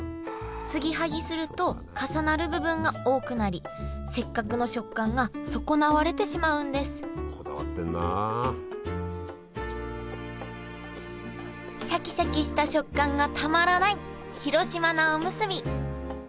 継ぎはぎすると重なる部分が多くなりせっかくの食感が損なわれてしまうんですシャキシャキした食感がたまらない広島菜おむすび。